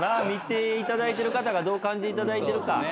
見ていただいてる方がどう感じいただいてるか。